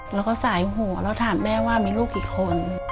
แล้วก็สายหัวแล้วถามแม่ว่ามีลูกกี่คน